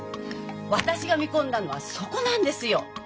私が見込んだのはそこなんですよ！